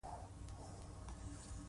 د روسیې په پلازمینه مسکو کې